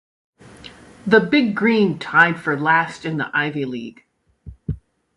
The Big Green tied for last in the Ivy League.